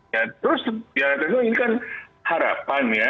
ya terus ini kan harapan ya